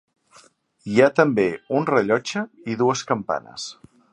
Hi ha també un rellotge i dues campanes.